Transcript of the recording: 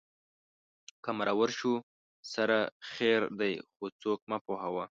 که مرور شو سره خیر دی خو څوک مه پوهوه